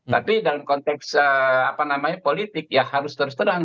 tapi dalam konteks politik harus terus terang